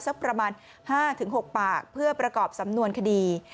สักประมาณ๕๖ปากเพื่อประกอบสำนวนคดี